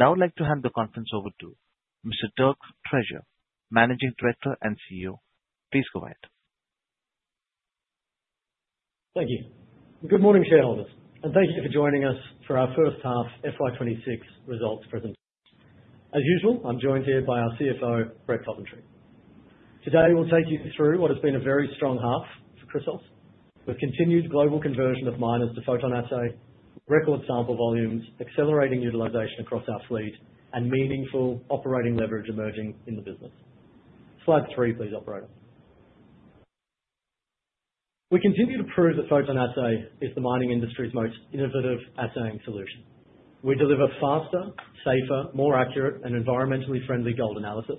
I would now like to hand the conference over to Mr. Dirk Treasure, Managing Director and Chief Executive Officer. Please go ahead. Thank you. Good morning, shareholders, and thank you for joining us for our first half FY 2026 results presentation. As usual, I'm joined here by our Chief Financial Officer, Brett Coventry. Today, we'll take you through what has been a very strong half for Chrysos, with continued global conversion of miners to PhotonAssay, record sample volumes, accelerating utilization across our fleet, and meaningful operating leverage emerging in the business. Slide three, please, operator. We continue to prove that PhotonAssay is the mining industry's most innovative assaying solution. We deliver faster, safer, more accurate, and environmentally friendly gold analysis,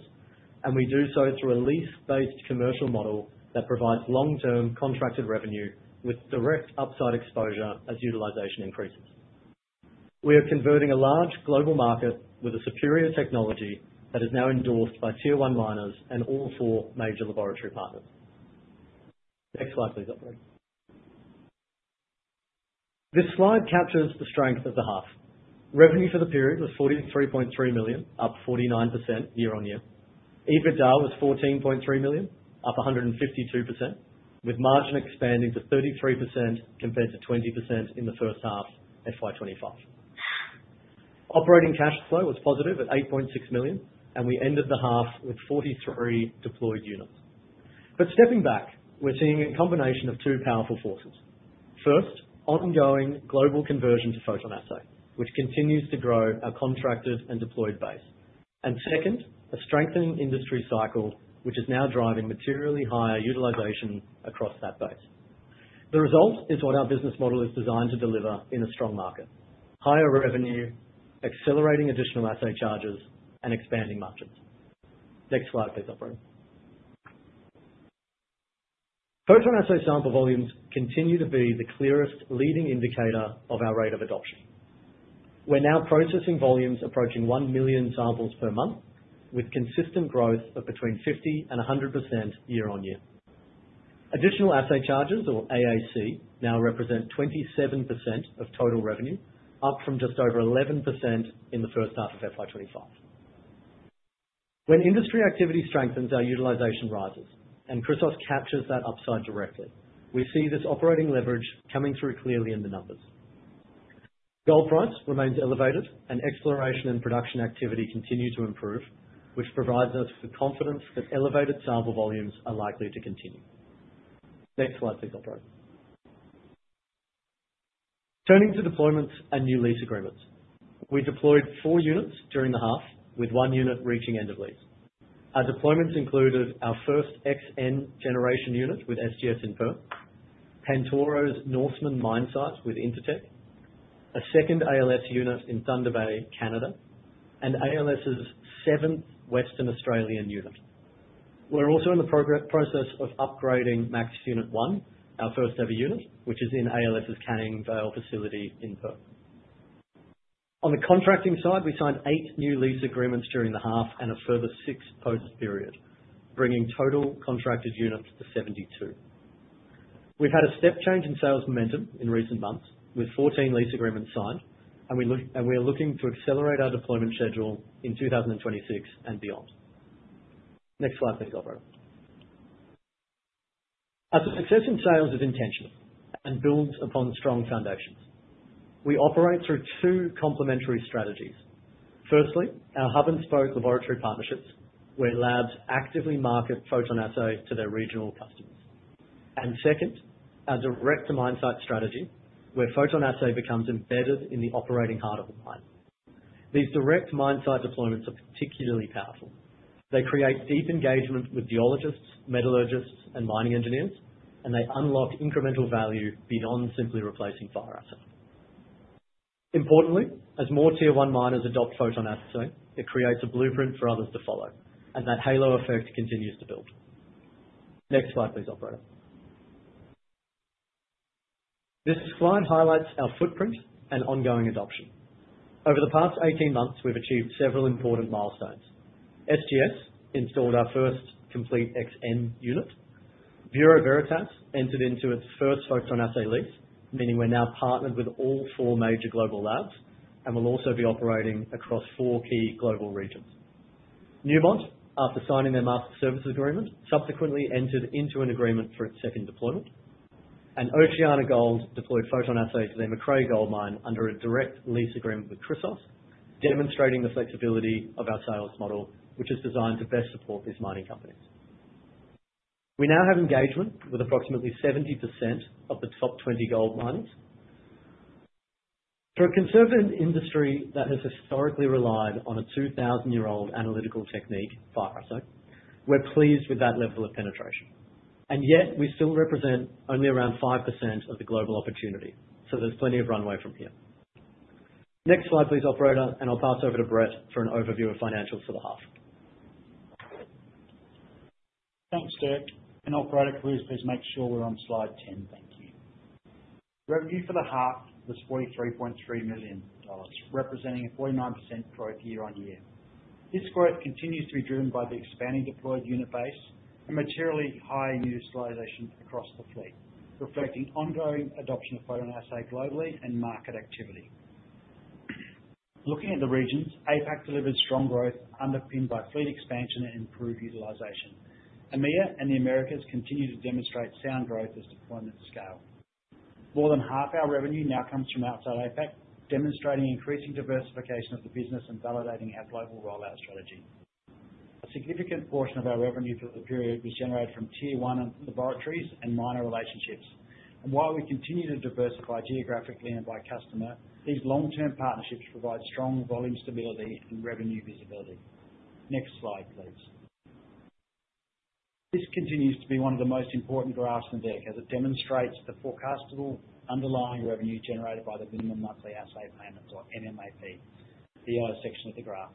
and we do so through a lease-based commercial model that provides long-term contracted revenue with direct upside exposure as utilization increases. We are converting a large global market with a superior technology that is now endorsed by Tier One miners and all four major laboratory partners. Next slide, please, operator. This slide captures the strength of the half. Revenue for the period was 43.3 million, up 49% year-on-year. EBITDA was 14.3 million, up 152%, with margin expanding to 33%, compared to 20% in the first half, FY 2025. Operating cash flow was positive at 8.6 million, and we ended the half with 43 deployed units. But stepping back, we're seeing a combination of two powerful forces. First, ongoing global conversion to PhotonAssay, which continues to grow our contracted and deployed base. And second, a strengthening industry cycle, which is now driving materially higher utilization across that base. The result is what our business model is designed to deliver in a strong market: higher revenue, accelerating additional assay charges, and expanding margins. Next slide, please, operator. PhotonAssay sample volumes continue to be the clearest leading indicator of our rate of adoption. We're now processing volumes approaching 1 million samples per month, with consistent growth of between 50% and 100% year-on-year. Additional Assay Charges, or AAC, now represent 27% of total revenue, up from just over 11% in the first half of FY 2025. When industry activity strengthens, our utilization rises, and Chrysos captures that upside directly. We see this operating leverage coming through clearly in the numbers. Gold price remains elevated, and exploration and production activity continue to improve, which provides us with confidence that elevated sample volumes are likely to continue. Next slide, please, operator. Turning to deployments and new lease agreements. We deployed four units during the half, with one unit reaching end of lease. Our deployments included our first generation unit with SGS in Perth, Pantoro's Norseman mine site with Intertek, a second ALS unit in Thunder Bay, Canada, and ALS's seventh Western Australian unit. We're also in the process of upgrading Max Unit One, our first-ever unit, which is in ALS's Canning Vale facility in Perth. On the contracting side, we signed eight new lease agreements during the half and a further six post period, bringing total contracted units to 72. We've had a step change in sales momentum in recent months, with 14 lease agreements signed, and we are looking to accelerate our deployment schedule in 2026 and beyond. Next slide, please, operator. Our success in sales is intentional and builds upon strong foundations. We operate through two complementary strategies. Firstly, our hub and spoke laboratory partnerships, where labs actively market PhotonAssay to their regional customers. Second, our direct-to-mine site strategy, where PhotonAssay becomes embedded in the operating heart of the mine. These direct mine site deployments are particularly powerful. They create deep engagement with geologists, metallurgists, and mining engineers, and they unlock incremental value beyond simply replacing fire assay. Importantly, as more Tier One miners adopt PhotonAssay, it creates a blueprint for others to follow, and that halo effect continues to build. Next slide, please, operator. This slide highlights our footprint and ongoing adoption. Over the past 18 months, we've achieved several important milestones. SGS installed our first complete XN unit. Bureau Veritas entered into its first PhotonAssay lease, meaning we're now partnered with all four major global labs and will also be operating across four key global regions. Newmont, after signing their master services agreement, subsequently entered into an agreement for its second deployment, and OceanaGold deployed PhotonAssay to their Macraes gold mine under a direct lease agreement with Chrysos, demonstrating the flexibility of our sales model, which is designed to best support these mining companies. We now have engagement with approximately 70% of the top 20 gold miners. For a conservative industry that has historically relied on a 2,000-year-old analytical technique, fire assay, we're pleased with that level of penetration, and yet we still represent only around 5% of the global opportunity, so there's plenty of runway from here. Next slide, please, operator, and I'll pass over to Brett for an overview of financials for the half. Thanks, Dirk. And operator, can you please make sure we're on slide 10? Thank you. Revenue for the half was 43.3 million dollars, representing a 49% growth year-on-year. This growth continues to be driven by the expanding deployed unit base and materially high utilization across the fleet, reflecting ongoing adoption of PhotonAssay globally and market activity. Looking at the regions, APAC delivered strong growth, underpinned by fleet expansion and improved utilization. EMEA and the Americas continue to demonstrate sound growth as deployment scale. More than half our revenue now comes from outside APAC, demonstrating increasing diversification of the business and validating our global rollout strategy. A significant portion of our revenue for the period was generated from Tier One laboratories and miner relationships. And while we continue to diversify geographically and by customer, these long-term partnerships provide strong volume stability and revenue visibility. Next slide, please. This continues to be one of the most important graphs in there, as it demonstrates the forecastable underlying revenue generated by the minimum monthly assay payments or MMAP, the yellow section of the graph.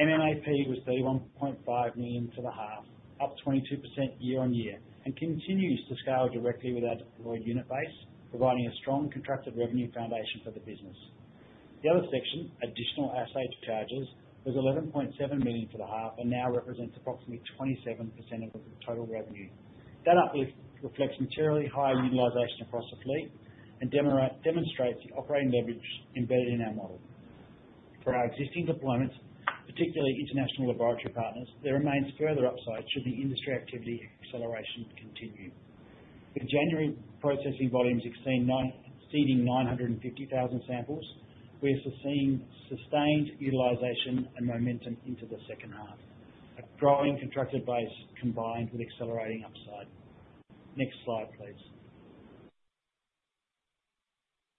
MMAP was 3.5 million for the half, up 22% year-on-year, and continues to scale directly with our deployed unit base, providing a strong contracted revenue foundation for the business. The other section, additional assay charges, was 11.7 million for the half and now represents approximately 27% of the total revenue. That uplift reflects materially high utilization across the fleet and demonstrates the operating leverage embedded in our model. For our existing deployments, particularly international laboratory partners, there remains further upside should the industry activity acceleration continue. In January, processing volumes exceeding 950,000 samples, we are still seeing sustained utilization and momentum into the second half. A growing contracted base combined with accelerating upside. Next slide, please.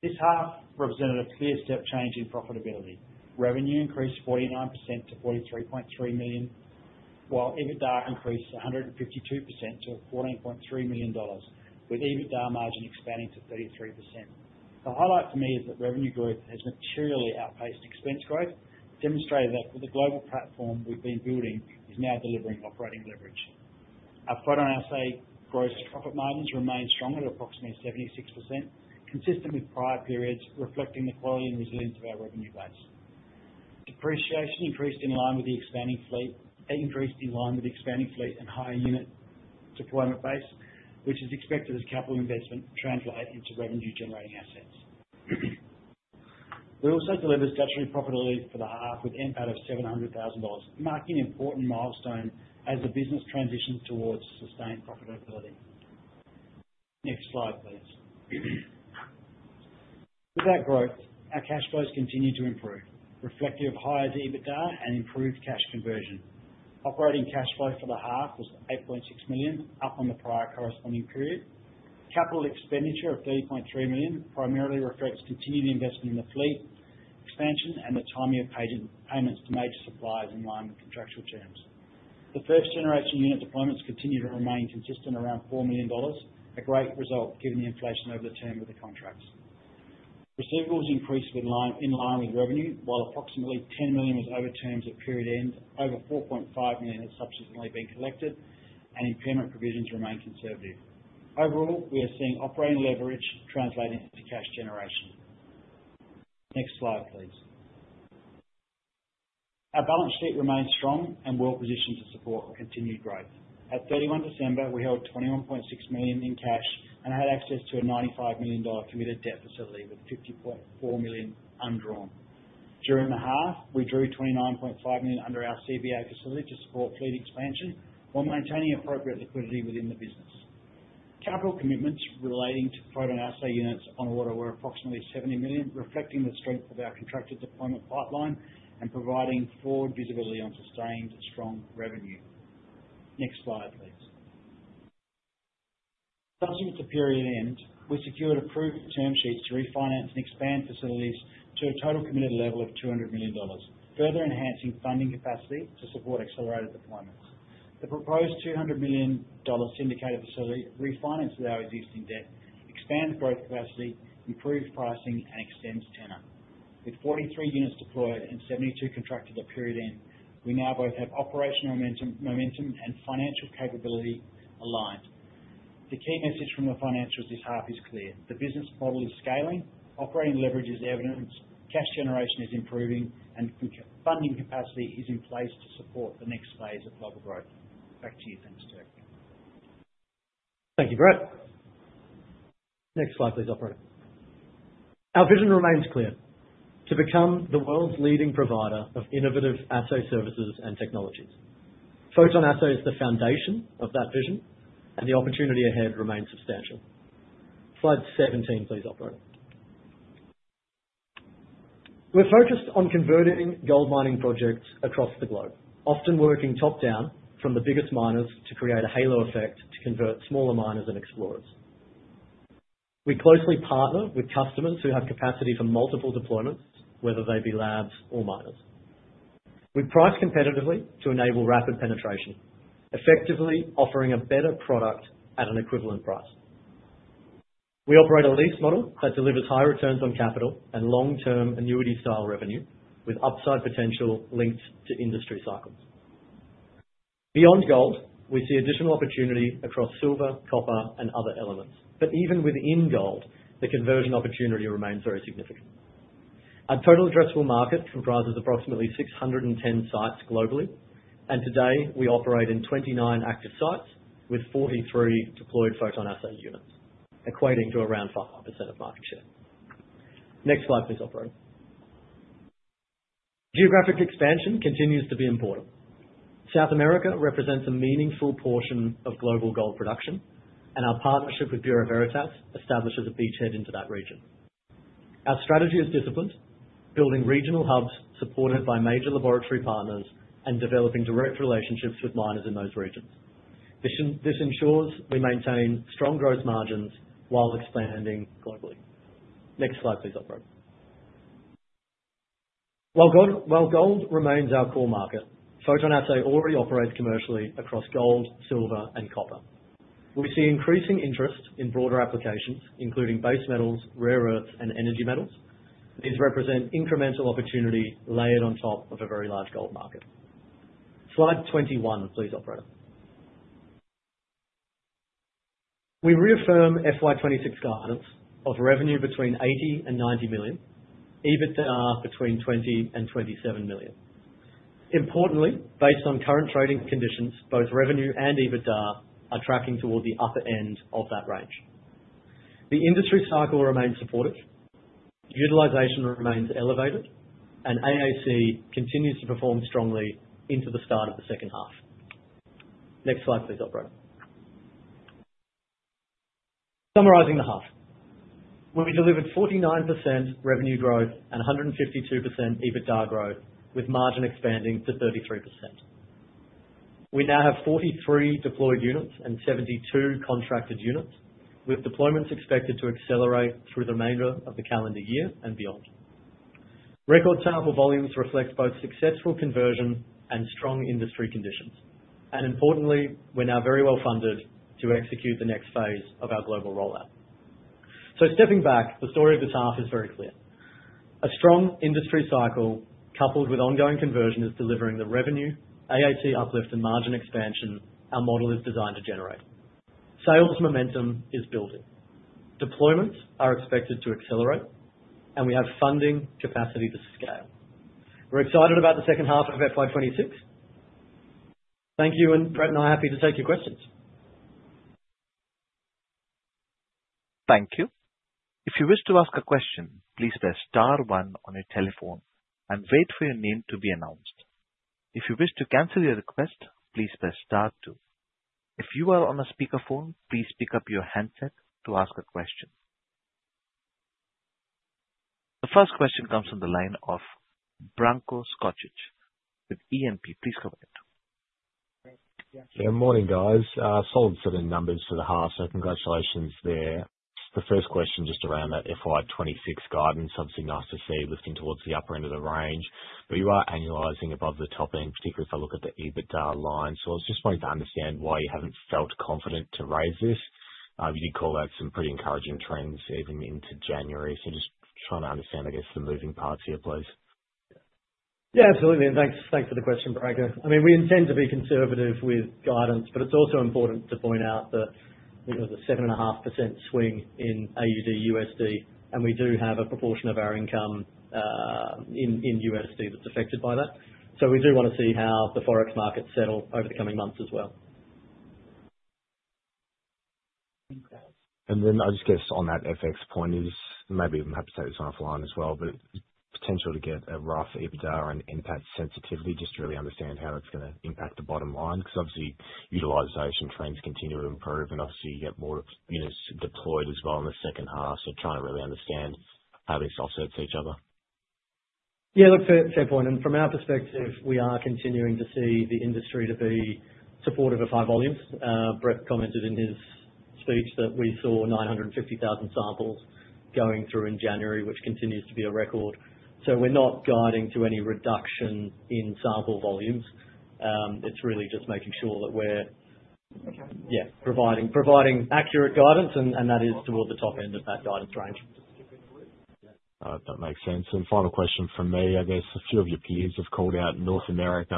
This half represented a clear step change in profitability. Revenue increased 49% to 43.3 million, while EBITDA increased 152% to 14.3 million dollars, with EBITDA margin expanding to 33%. The highlight for me is that revenue growth has materially outpaced expense growth, demonstrating that the global platform we've been building is now delivering operating leverage. Our PhotonAssay gross profit margins remain strong at approximately 76%, consistent with prior periods, reflecting the quality and resilience of our revenue base. Depreciation increased in line with the expanding fleet, and increased in line with expanding fleet and higher unit deployment base, which is expected as capital investment translate into revenue generating assets. We also delivered statutory profitability for the half, with NPAT of 700,000 dollars, marking an important milestone as the business transitions towards sustained profitability. Next slide, please. With that growth, our cash flows continue to improve, reflective of higher EBITDA and improved cash conversion. Operating cash flow for the half was 8.6 million, up on the prior corresponding period. Capital expenditure of 3.3 million primarily reflects continued investment in the fleet expansion and the timing of payments to major suppliers in line with contractual terms. The first generation unit deployments continue to remain consistent around 4 million dollars, a great result given the inflation over the term of the contracts. Receivables increased in line with revenue, while approximately 10 million was over terms at period end, over 4.5 million has subsequently been collected, and impairment provisions remain conservative. Overall, we are seeing operating leverage translating into cash generation. Next slide, please. Our balance sheet remains strong and well positioned to support our continued growth. At 31 December, we held 21.6 million in cash and had access to a 95 million dollar committed debt facility with 50.4 million undrawn. During the half, we drew 29.5 million under our CBA facility to support fleet expansion while maintaining appropriate liquidity within the business. Capital commitments relating to PhotonAssay units on order were approximately 70 million, reflecting the strength of our contracted deployment pipeline and providing forward visibility on sustained strong revenue. Next slide, please. Subsequent to period end, we secured approved term sheets to refinance and expand facilities to a total committed level of 200 million dollars, further enhancing funding capacity to support accelerated deployments. The proposed 200 million dollar syndicated facility refinanced our existing debt, expanded growth capacity, improved pricing, and extends tenor. With 43 units deployed and 72 contracted at period end, we now both have operational momentum and financial capability aligned. The key message from the financials this half is clear: The business model is scaling, operating leverage is evidenced, cash generation is improving, and funding capacity is in place to support the next phase of global growth. Back to you, thanks, Dirk. Thank you, Brett. Next slide, please, operator. Our vision remains clear: to become the world's leading provider of innovative assay services and technologies. PhotonAssay is the foundation of that vision, and the opportunity ahead remains substantial. Slide 17, please, operator. We're focused on converting gold mining projects across the globe. Often working top-down from the biggest miners to create a halo effect to convert smaller miners and explorers. We closely partner with customers who have capacity for multiple deployments, whether they be labs or miners. We price competitively to enable rapid penetration, effectively offering a better product at an equivalent price. We operate a lease model that delivers high returns on capital and long-term annuity style revenue, with upside potential linked to industry cycles.... Beyond gold, we see additional opportunity across silver, copper, and other elements. But even within gold, the conversion opportunity remains very significant. Our total addressable market comprises approximately 610 sites globally, and today we operate in 29 active sites with 43 deployed PhotonAssay units, equating to around 5% of market share. Next slide, please, operator. Geographic expansion continues to be important. South America represents a meaningful portion of global gold production, and our partnership with Bureau Veritas establishes a beachhead into that region. Our strategy is disciplined, building regional hubs supported by major laboratory partners and developing direct relationships with miners in those regions. This ensures we maintain strong growth margins while expanding globally. Next slide, please, operator. While gold, while gold remains our core market, PhotonAssay already operates commercially across gold, silver, and copper. We see increasing interest in broader applications, including base metals, rare earths, and energy metals. These represent incremental opportunity layered on top of a very large gold market. Slide 21, please, operator. We reaffirm FY 2026 guidance of revenue between 80 million to 90 million, EBITDA between 20 million to 27 million. Importantly, based on current trading conditions, both revenue and EBITDA are tracking toward the upper end of that range. The industry cycle remains supportive, utilization remains elevated, and AAC continues to perform strongly into the start of the second half. Next slide, please, operator. Summarizing the half, where we delivered 49% revenue growth and 152% EBITDA growth, with margin expanding to 33%. We now have 43 deployed units and 72 contracted units, with deployments expected to accelerate through the remainder of the calendar year and beyond. Record sample volumes reflects both successful conversion and strong industry conditions, and importantly, we're now very well funded to execute the next phase of our global rollout. So stepping back, the story of this half is very clear. A strong industry cycle, coupled with ongoing conversion, is delivering the revenue, AAC uplift, and margin expansion our model is designed to generate. Sales momentum is building. Deployments are expected to accelerate, and we have funding capacity to scale. We're excited about the second half of FY 2026. Thank you, and Brett and I are happy to take your questions. Thank you. If you wish to ask a question, please press star one on your telephone and wait for your name to be announced. If you wish to cancel your request, please press star two. If you are on a speakerphone, please pick up your handset to ask a question. The first question comes from the line of Branko Skocic with E&P. Please go ahead. Yeah, morning, guys. Solid set of numbers for the half, so congratulations there. The first question, just around that FY 26 guidance. Obviously, nice to see you lifting towards the upper end of the range, but you are annualizing above the top end, particularly if I look at the EBITDA line. So I was just wanting to understand why you haven't felt confident to raise this. You did call out some pretty encouraging trends even into January. So just trying to understand, I guess, the moving parts here, please. Yeah, absolutely, and thanks, thanks for the question, Branko. I mean, we intend to be conservative with guidance, but it's also important to point out that, you know, the 7.5% swing in AUD/USD, and we do have a proportion of our income in USD that's affected by that. So we do want to see how the Forex markets settle over the coming months as well. And then I just guess on that FX point is, maybe I'm happy to take this offline as well, but potential to get a rough EBITDA and impact sensitivity, just to really understand how it's gonna impact the bottom line. Because obviously, utilization trends continue to improve, and obviously you get more units deployed as well in the second half. So trying to really understand how this offsets each other. Yeah, look, fair, fair point, and from our perspective, we are continuing to see the industry to be supportive of high volumes. Brett commented in his speech that we saw 950,000 samples going through in January, which continues to be a record. So we're not guiding to any reduction in sample volumes. It's really just making sure that we're, yeah, providing, providing accurate guidance, and, and that is toward the top end of that guidance range. That makes sense. Final question from me. I guess a few of your peers have called out North America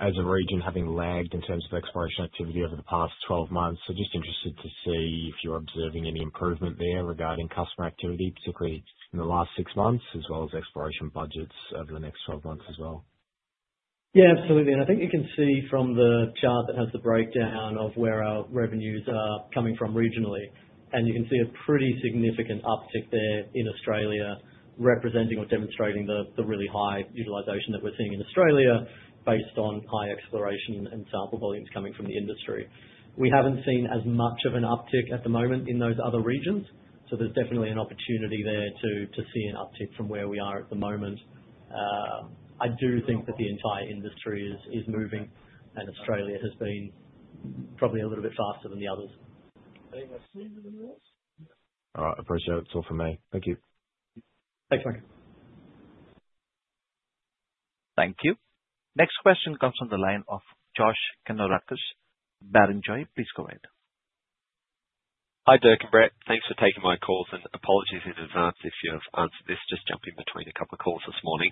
as a region, having lagged in terms of exploration activity over the past 12 months. So just interested to see if you're observing any improvement there regarding customer activity, particularly in the last six months, as well as exploration budgets over the next 12 months as well. Yeah, absolutely, and I think you can see from the chart that has the breakdown of where our revenues are coming from regionally, and you can see a pretty significant uptick there in Australia, representing or demonstrating the really high utilization that we're seeing in Australia, based on high exploration and sample volumes coming from the industry. We haven't seen as much of an uptick at the moment in those other regions, so there's definitely an opportunity there to see an uptick from where we are at the moment. I do think that the entire industry is moving, and Australia has been probably a little bit faster than the others. All right, I appreciate it. That's all from me. Thank you. Thanks, Branko. Thank you. Next question comes from the line of Josh Kannourakis, Barrenjoey. Please go ahead. Hi, Dirk and Brett. Thanks for taking my calls, and apologies in advance if you have answered this. Just jumping between a couple of calls this morning.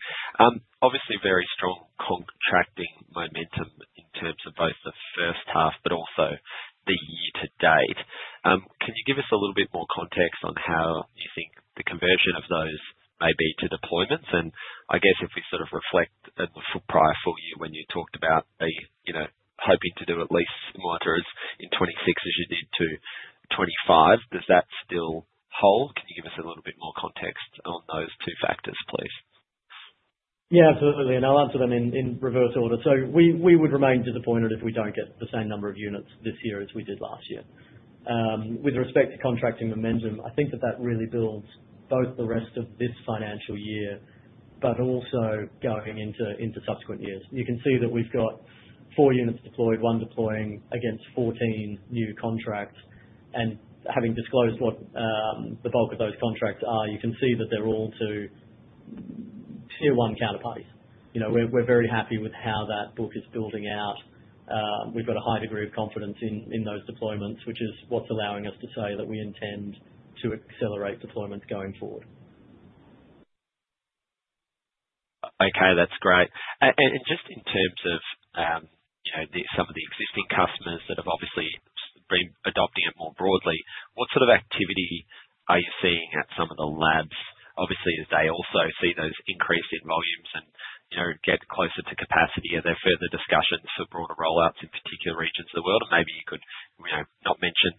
Obviously, very strong contracting momentum in terms of both the first half but also the year to date. Can you give us a little bit more context on how you think the conversion of those may be to deployments? And I guess if we sort of reflect on the pre-prior full year when you talked about, you know, hoping to do at least as much as in 2026 as you did to 2025, does that still hold? Can you give us a little bit more context on those two factors, please? Yeah, absolutely, and I'll answer them in reverse order. So we would remain disappointed if we don't get the same number of units this year as we did last year. With respect to contracting momentum, I think that really builds both the rest of this financial year, but also going into subsequent years. You can see that we've got four units deployed, one deploying against 14 new contracts, and having disclosed what the bulk of those contracts are, you can see that they're all to Tier One counterparties. You know, we're very happy with how that book is building out. We've got a high degree of confidence in those deployments, which is what's allowing us to say that we intend to accelerate deployments going forward. Okay, that's great. And just in terms of, you know, some of the existing customers that have obviously been adopting it more broadly, what sort of activity are you seeing at some of the labs? Obviously, as they also see those increase in volumes and, you know, get closer to capacity, are there further discussions for broader rollouts in particular regions of the world? And maybe you could, you know, not mention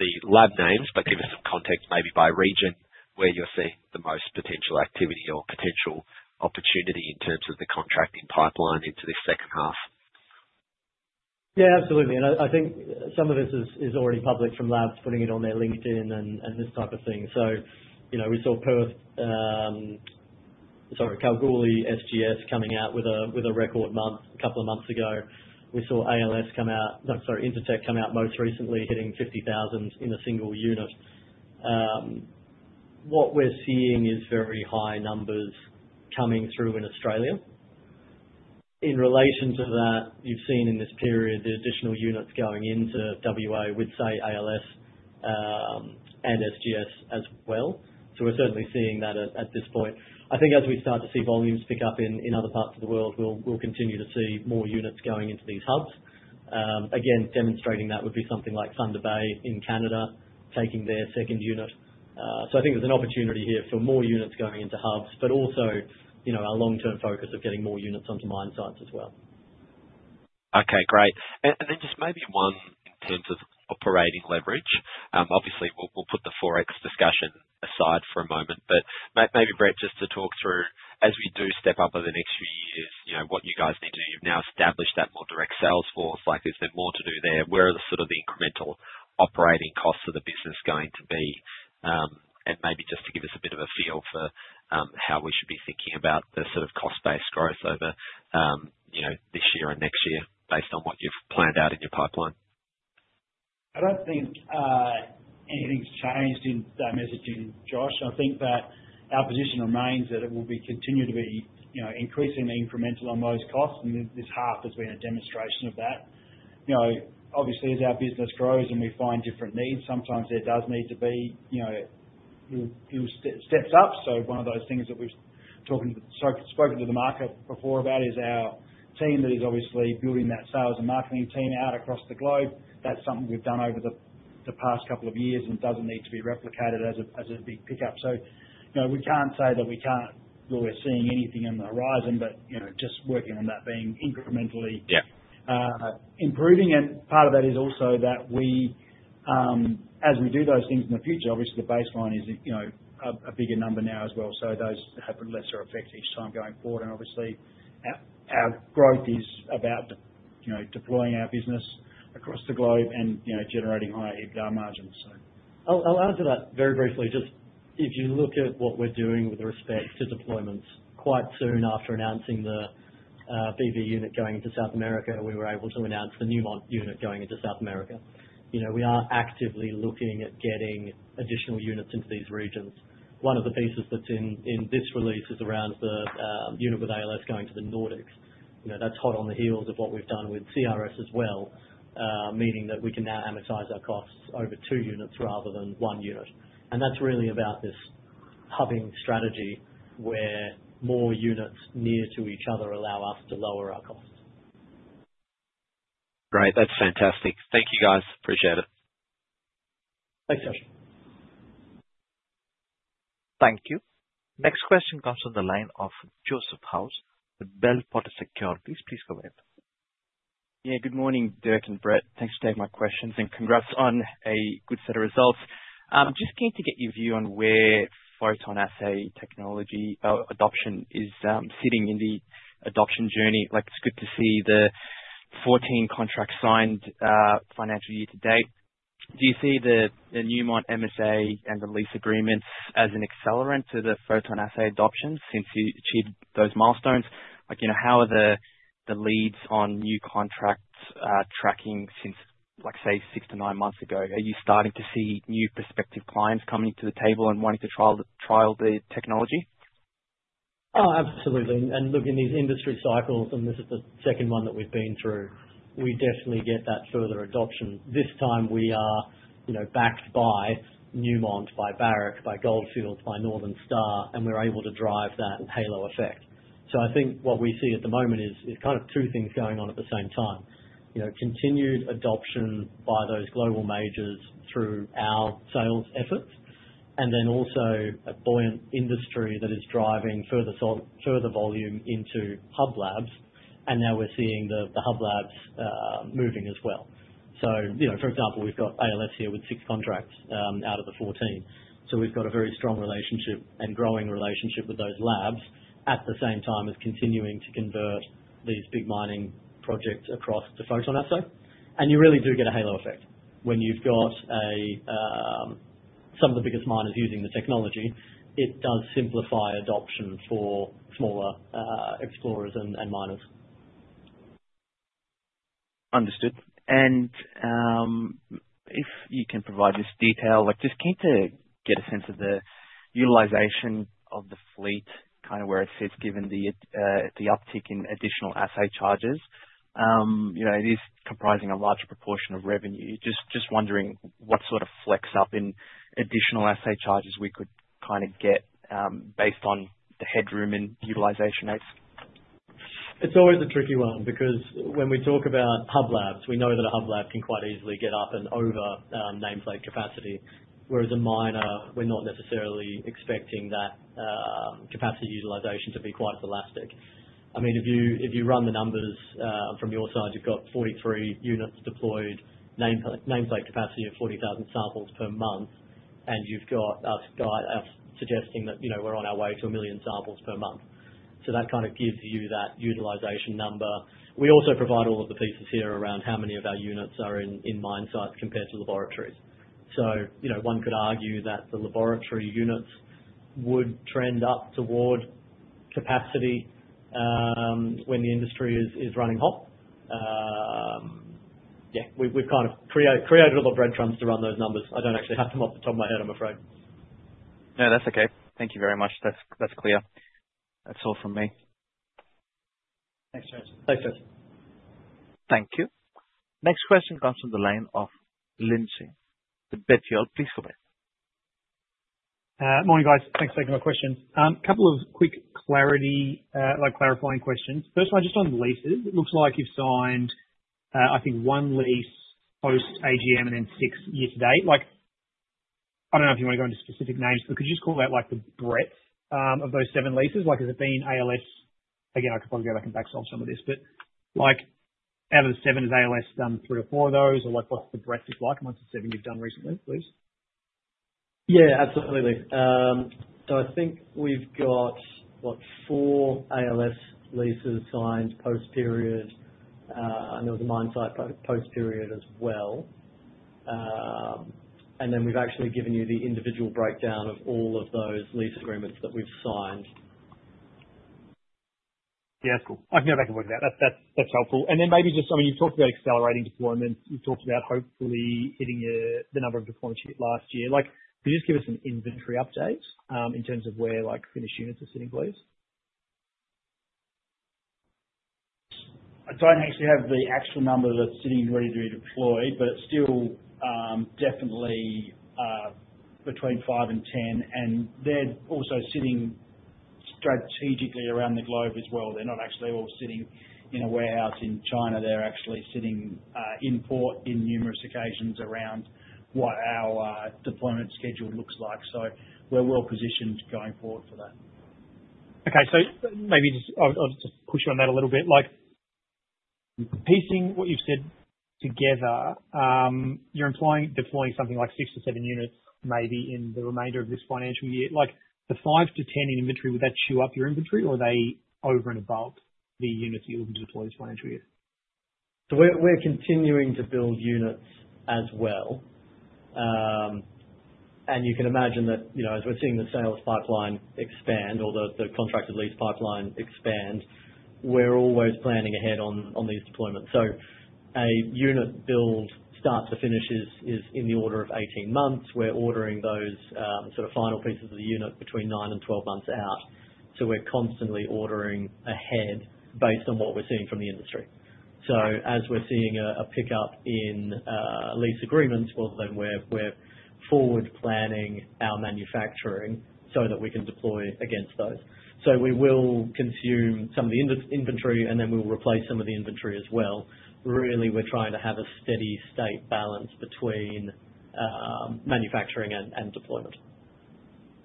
the lab names, but give us some context, maybe by region, where you're seeing the most potential activity or potential opportunity in terms of the contracting pipeline into this second half. Yeah, absolutely. And I think some of this is already public from labs putting it on their LinkedIn and this type of thing. So, you know, we saw Perth, sorry, Kalgoorlie SGS coming out with a record month a couple of months ago. We saw ALS come out, no, sorry, Intertek come out most recently, hitting 50,000 in a single unit. What we're seeing is very high numbers coming through in Australia. In relation to that, you've seen in this period the additional units going into WA with, say, ALS and SGS as well. So we're certainly seeing that at this point. I think as we start to see volumes pick up in other parts of the world, we'll continue to see more units going into these hubs. Again, demonstrating that would be something like Thunder Bay in Canada, taking their second unit. So I think there's an opportunity here for more units going into hubs, but also, you know, our long-term focus of getting more units onto mine sites as well. Okay, great. And then just maybe one in terms of operating leverage. Obviously, we'll put the Forex discussion aside for a moment, but maybe, Brett, just to talk through, as we do step up over the next few years, you know, what you guys need to do. You've now established that more direct sales force, like there's been more to do there. Where are the sort of incremental operating costs of the business going to be? And maybe just to give us a bit of a feel for, how we should be thinking about the sort of cost-based growth over, you know, this year and next year, based on what you've planned out in your pipeline. I don't think anything's changed in that messaging, Josh. I think that our position remains that it will continue to be, you know, increasingly incremental on those costs, and this half has been a demonstration of that. You know, obviously, as our business grows and we find different needs, sometimes there does need to be, you know, new steps up. So one of those things that we've spoken to the market before about is our team that is obviously building that sales and marketing team out across the globe. That's something we've done over the past couple of years and doesn't need to be replicated as a big pickup. So, you know, we can't say that we really are seeing anything on the horizon, but, you know, just working on that being incrementally. Yeah. Improving. And part of that is also that we, as we do those things in the future, obviously, the baseline is, you know, a bigger number now as well, so those have a lesser effect each time going forward. And obviously, our growth is about, you know, deploying our business across the globe and, you know, generating higher EBITDA margins so. I'll add to that very briefly. Just if you look at what we're doing with respect to deployments, quite soon after announcing the BV unit going into South America, we were able to announce the Newmont unit going into South America. You know, we are actively looking at getting additional units into these regions. One of the pieces that's in this release is around the unit with ALS going to the Nordics. You know, that's hot on the heels of what we've done with CRS as well, meaning that we can now amortize our costs over two units rather than one unit. And that's really about this hubbing strategy, where more units near to each other allow us to lower our costs. Great. That's fantastic. Thank you, guys. Appreciate it. Thanks, Josh. Thank you. Next question comes from the line of Joseph House with Bell Potter Securities. Please go ahead. Yeah, good morning, Dirk and Brett. Thanks for taking my questions, and congrats on a good set of results. Just keen to get your view on where PhotonAssay technology adoption is sitting in the adoption journey. Like, it's good to see the 14 contracts signed financial year to date. Do you see the, the Newmont MSA and the lease agreements as an accelerant to the PhotonAssay adoption since you achieved those milestones? Like, you know, how are the, the leads on new contracts tracking since, like, say, 6-9 months ago? Are you starting to see new prospective clients coming to the table and wanting to trial, trial the technology? Oh, absolutely. And look, in these industry cycles, and this is the second one that we've been through, we definitely get that further adoption. This time we are, you know, backed by Newmont, by Barrick, by Gold Fields, by Northern Star, and we're able to drive that halo effect. So I think what we see at the moment is kind of two things going on at the same time. You know, continued adoption by those global majors through our sales efforts, and then also a buoyant industry that is driving further volume into hub labs, and now we're seeing the hub labs moving as well. So, you know, for example, we've got ALS here with six contracts out of the 14. So we've got a very strong relationship and growing relationship with those labs, at the same time as continuing to convert these big mining projects across to Photon Assay. And you really do get a halo effect. When you've got some of the biggest miners using the technology, it does simplify adoption for smaller explorers and miners. Understood. And if you can provide this detail, like, just keen to get a sense of the utilization of the fleet, kind of where it sits, given the uptick in additional assay charges. You know, it is comprising a large proportion of revenue. Just wondering what sort of flex up in additional assay charges we could kind of get, based on the headroom and utilization rates. It's always a tricky one because when we talk about hub labs, we know that a hub lab can quite easily get up and over nameplate capacity, whereas a miner, we're not necessarily expecting that capacity utilization to be quite elastic. I mean, if you, if you run the numbers from your side, you've got 43 units deployed, nameplate capacity of 40,000 samples per month, and you've got us suggesting that, you know, we're on our way to 1,000,000 samples per month. So that kind of gives you that utilization number. We also provide all of the pieces here around how many of our units are in mine site compared to laboratories. So, you know, one could argue that the laboratory units would trend up toward capacity when the industry is running hot. Yeah, we've kind of created a lot of breadcrumbs to run those numbers. I don't actually have them off the top of my head, I'm afraid. No, that's okay. Thank you very much. That's, that's clear. That's all from me. Thanks, Joseph. Thanks, Dirk. Thank you. Next question comes from the line of Lindsay Bethune. Please go ahead. Morning, guys. Thanks for taking my question. Couple of quick clarity, like, clarifying questions. First one, just on leases. It looks like you've signed, I think one lease post AGM and then six year to date. Like, I don't know if you want to go into specific names, but could you just call out, like, the breadth of those seven leases? Like, has it been ALS... Again, I could probably go back and back solve some of this, but, like, out of the seven, is ALS three or four of those? Or, like, what's the breadth look like among the seven you've done recently, please? Yeah, absolutely. So I think we've got, what? Four ALS leases signed post-period, and there was a mine site post-period as well. And then we've actually given you the individual breakdown of all of those lease agreements that we've signed. Yeah, that's cool. I can go back and work that. That's helpful. And then maybe just, I mean, you talked about accelerating deployment. You talked about hopefully hitting the number of deployments you hit last year. Like, can you just give us an inventory update in terms of where, like, finished units are sitting, please? I don't actually have the actual number that's sitting ready to be deployed, but still, definitely, between five and 10, and they're also sitting strategically around the globe as well. They're not actually all sitting in a warehouse in China. They're actually sitting in port in numerous occasions around what our deployment schedule looks like. So we're well positioned going forward for that. Okay. So maybe just I'll, I'll just push you on that a little bit. Like, piecing what you've said together, you're employing, deploying something like six or seven units, maybe in the remainder of this financial year. Like, the five to 10 in inventory, would that chew up your inventory, or are they over and above the units you're looking to deploy this financial year? So we're continuing to build units as well. And you can imagine that, you know, as we're seeing the sales pipeline expand or the contracted lease pipeline expand, we're always planning ahead on these deployments. So a unit build start to finish is in the order of 18 months. We're ordering those sort of final pieces of the unit between nine to 12 months out. So we're constantly ordering ahead based on what we're seeing from the industry. So as we're seeing a pickup in lease agreements, well, then we're forward planning our manufacturing so that we can deploy against those. So we will consume some of the inventory, and then we'll replace some of the inventory as well. Really, we're trying to have a steady state balance between manufacturing and deployment.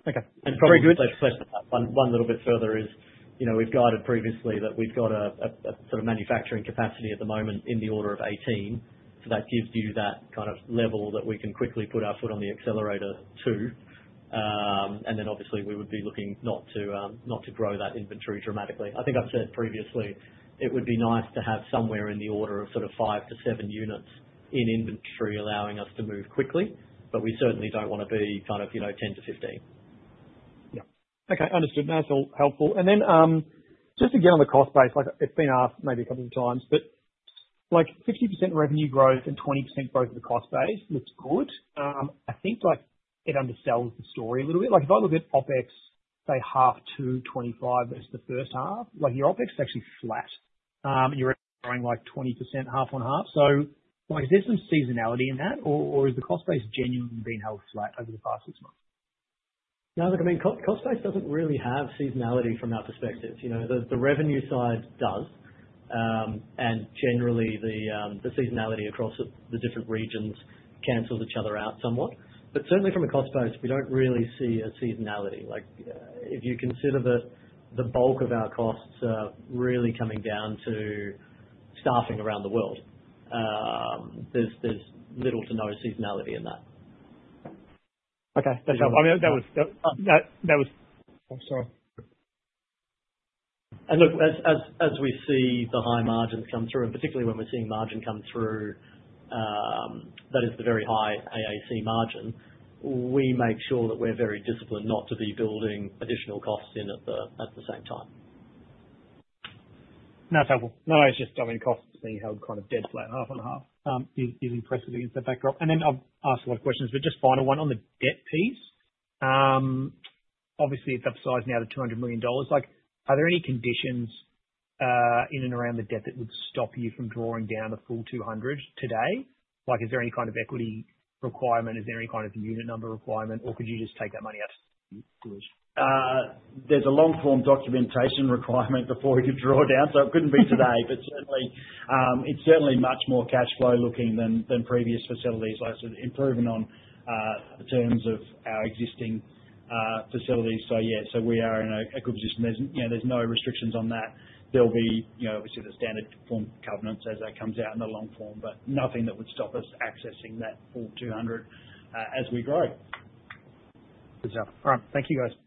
Okay. Very good. Probably just to push on that one a little bit further, you know, we've guided previously that we've got a sort of manufacturing capacity at the moment in the order of 18. So that gives you that kind of level that we can quickly put our foot on the accelerator to. And then obviously, we would be looking not to grow that inventory dramatically. I think I've said previously, it would be nice to have somewhere in the order of sort of five to seven units in inventory, allowing us to move quickly, but we certainly don't want to be kind of, you know, 10 to 15. Yeah. Okay, understood. That's all helpful. And then, just again, on the cost base, like it's been asked maybe a couple of times, but... Like, 50% revenue growth and 20% growth in the cost base looks good. I think, like, it undersells the story a little bit. Like, if I look at OpEx, say, half to 25 as the first half, like, your OpEx is actually flat. You're growing, like, 20% half on half. So, like, is there some seasonality in that, or is the cost base genuinely being held flat over the past six months? No, look, I mean, cost base doesn't really have seasonality from our perspective. You know, the revenue side does. And generally, the seasonality across the different regions cancels each other out somewhat. But certainly from a cost base, we don't really see a seasonality. Like, if you consider the bulk of our costs are really coming down to staffing around the world, there's little to no seasonality in that. Okay. I mean, that was... Oh, sorry. And look, as we see the high margins come through, and particularly when we're seeing margin come through, that is, the very high AAC margin, we make sure that we're very disciplined not to be building additional costs in at the same time. No, terrible. No, it's just, I mean, costs being held kind of dead flat, half and half, is, is impressive against that backdrop. And then I'll ask a lot of questions, but just final one on the debt piece. Obviously, it's upsized now to 200 million dollars. Like, are there any conditions, in and around the debt that would stop you from drawing down the full 200 today? Like, is there any kind of equity requirement? Is there any kind of unit number requirement, or could you just take that money out? There's a long-form documentation requirement before we could draw down, so it couldn't be today. But certainly, it's certainly much more cashflow looking than previous facilities. Like I said, improvement on the terms of our existing facilities. So yeah, so we are in a good position. There's, you know, there's no restrictions on that. There'll be, you know, obviously, the standard form covenants as that comes out in the long form, but nothing that would stop us accessing that full 200 as we grow. Good job. All right, thank you, guys.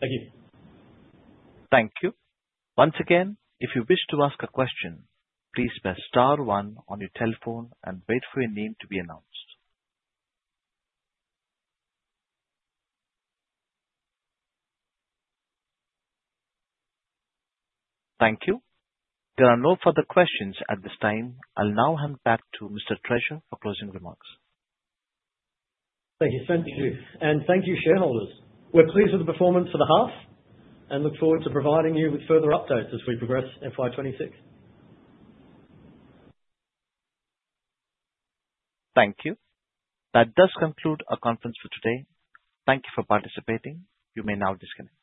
Thank you. Thank you. Once again, if you wish to ask a question, please press star one on your telephone and wait for your name to be announced. Thank you. There are no further questions at this time. I'll now hand back to Mr. Treasure for closing remarks. Thank you so much, and thank you, shareholders. We're pleased with the performance for the half and look forward to providing you with further updates as we progress in FY 2026. Thank you. That does conclude our conference for today. Thank you for participating. You may now disconnect.